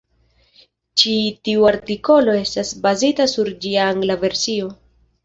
Ĉi tiu artikolo estas bazita sur ĝia angla versio.